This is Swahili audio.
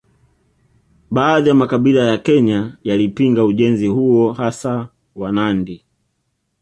Baadhi ya makabila ya Kenya yalipinga ujenzi huo hasa Wanandi